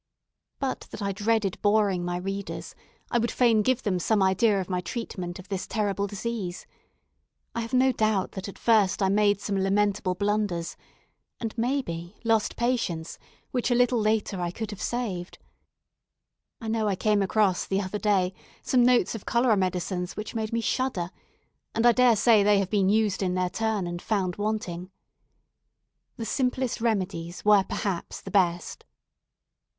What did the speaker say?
But that I dreaded boring my readers, I would fain give them some idea of my treatment of this terrible disease. I have no doubt that at first I made some lamentable blunders, and, may be, lost patients which a little later I could have saved. I know I came across, the other day, some notes of cholera medicines which made me shudder, and I dare say they have been used in their turn and found wanting. The simplest remedies were perhaps the best.